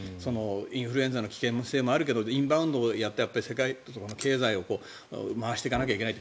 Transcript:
インフルエンザの危険性もあるけどインバウンドをやって世界経済を回していかなきゃいけない。